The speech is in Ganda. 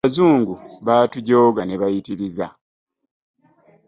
Abazungu baatujooga ne bayitiriza.